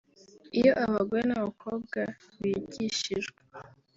Iyo abagore n’abakobwa bigishijwe